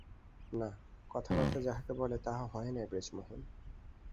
না, কথাবার্তা যাহাকে বলে তাহা হয় নাই-ব্রেজমোহন।